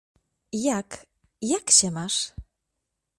— Jak… jak się masz?